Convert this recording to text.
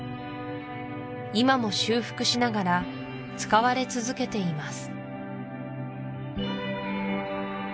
今も修復しながら使われ続けています